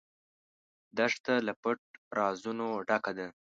دښته له پټ رازونو ډکه ده.